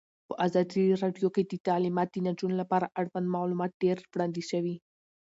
په ازادي راډیو کې د تعلیمات د نجونو لپاره اړوند معلومات ډېر وړاندې شوي.